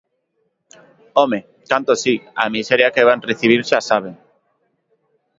Home, canto si, a miseria que van recibir xa a saben.